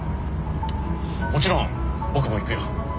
もちろん僕も行くよ。